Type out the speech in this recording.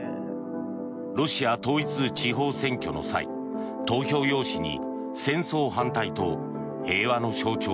ロシア統一地方選挙の際投票用紙に戦争反対と平和の象徴